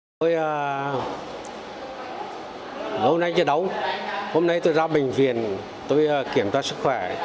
tôi lâu nay chiến đấu hôm nay tôi ra bệnh viện tôi kiểm tra sức khỏe